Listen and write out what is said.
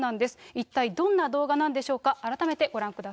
一体どんな動画なんでしょうか。